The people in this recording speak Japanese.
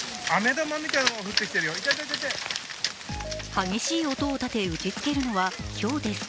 激しい音を立て打ちつけるのはひょうです。